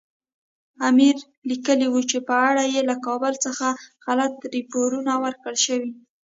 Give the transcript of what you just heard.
امیر لیکلي وو چې په اړه یې له کابل څخه غلط راپورونه ورکړل شوي.